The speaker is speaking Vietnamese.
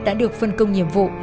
đã được phân công nhiệm vụ